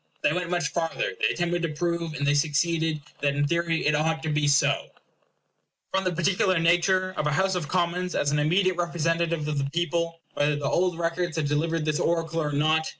They went much farther; they attempted to prove, and they succeeded, that in theory it ought to be so, from the particular nature of a House of Commons as an immediate representative of the people, whether the old records had delivered this oracle or not.